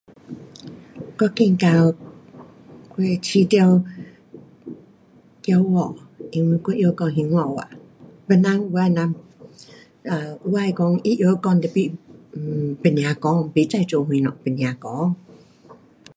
我觉得，我会觉得骄傲，因为我会晓讲兴华话，别人有的人，um 有的讲他会晓讲 tapi 不要讲，不知做什么不要讲。